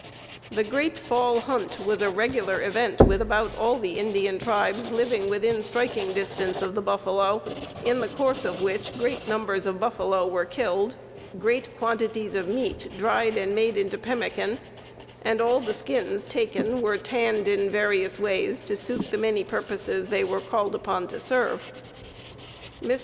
The "great fall hunt" was a regular event with about all the Indian tribes living within striking distance of the buffalo, in the course of which great numbers of buffalo were killed, great quantities of meat dried and made into pemmican, and all the skins taken were tanned in various ways to suit the many purposes they were called upon to serve. Mr.